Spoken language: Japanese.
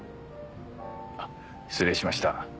あっ失礼しました。